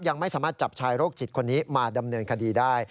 ยังไม่สามารถจับชายโรคจิตคนนี้มาดำเนินคดีได้